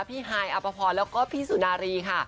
ฮายอัปพรแล้วก็พี่สุนารีค่ะ